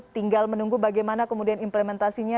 tinggal menunggu bagaimana kemudian implementasinya